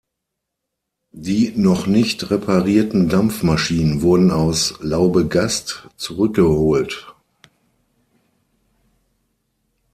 Die noch nicht reparierten Dampfmaschinen wurden aus Laubegast zurückgeholt.